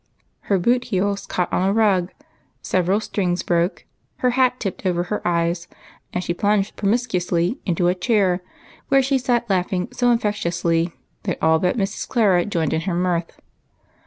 Her boot heels caught on a rug, several strings broke, her hat tipped over her eyes, and she plunged promiscuously into a chair, where she sat laughing so infectiously that all but Mrs. Clara joined in her mirth.